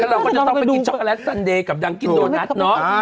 เราก็จะต้องไปกินช็อกโลตซันเดย์กับดังกินโดนัทเนอะ